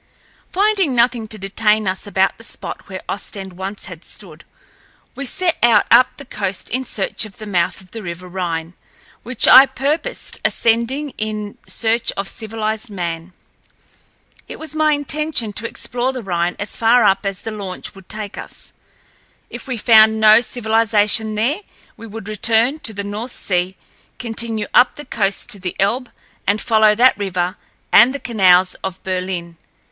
Finding nothing to detain us about the spot where Ostend once had stood, we set out up the coast in search of the mouth of the River Rhine, which I purposed ascending in search of civilized man. It was my intention to explore the Rhine as far up as the launch would take us. If we found no civilization there we would return to the North Sea, continue up the coast to the Elbe, and follow that river and the canals of Berlin.